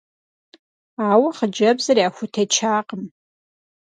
Ауэ хъыджэбзыр яхутечакъым.